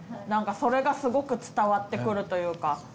何かそれがすごく伝わってくるというか。